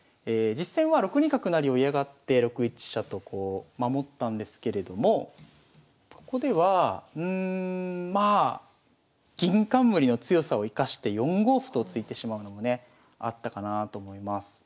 実戦は６二角成を嫌がって６一飛車とこう守ったんですけれどもここではうんまあ銀冠の強さを生かして４五歩と突いてしまうのもねあったかなと思います。